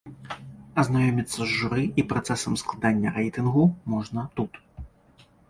Азнаёміцца з журы і працэсам складання рэйтынгу можна тут.